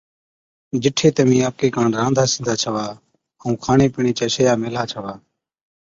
جِٺي تمهِين آپڪي ڪاڻ رانڌا سِينڌا ڇوا ائُون کاڻي پِيڻي چِيا شِيئا ميهلا ڇَوا۔